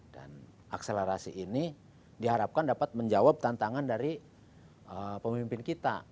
dan akselerasi ini diharapkan dapat menjawab tantangan dari pemimpin kita